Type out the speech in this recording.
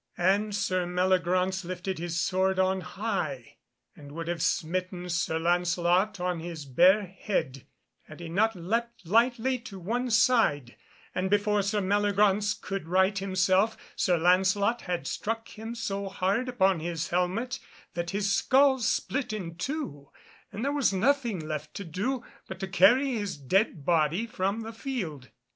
And Sir Meliagraunce lifted his sword on high and would have smitten Sir Lancelot on his bare head, had he not leapt lightly to one side, and, before Sir Meliagraunce could right himself, Sir Lancelot had struck him so hard upon his helmet that his skull split in two, and there was nothing left to do but to carry his dead body from the field.